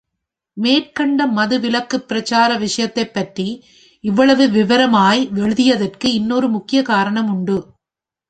மேற்கண்ட மது விலக்குப் பிரசார விஷயத்தைப் பற்றி இவ்வளவு விவரமாய் எழுதியதற்கு இன்னொரு முக்கியக் காரணம் உண்டு.